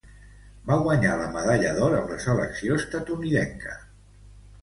Va guanyar la medalla d'or amb la selecció estatunidenca.